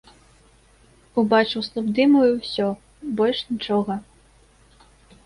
Убачыў слуп дыму і ўсё, больш нічога.